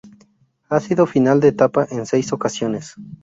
Ha sido final de etapa en seis ocasiones.